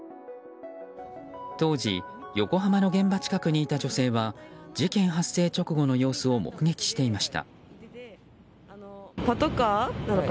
当時、横浜の現場近くにいた女性は事件発生直後の様子を目撃していました。